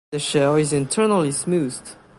The shell is internally smoothed.